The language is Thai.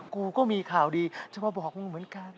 กูก็มีข่าวดีจะมาบอกมึงเหมือนกัน